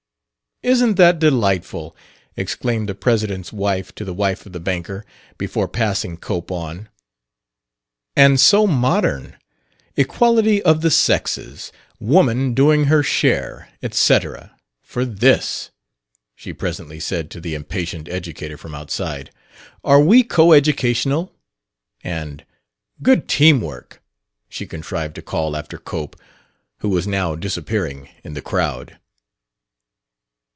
"Isn't that delightful!" exclaimed the president's wife to the wife of the banker, before passing Cope on. "And so modern! Equality of the sexes.... Woman doing her share, et cetera! For this," she presently said to the impatient educator from outside, "are we co educational!" And, "Good teamwork!" she contrived to call after Cope, who was now disappearing in the crowd.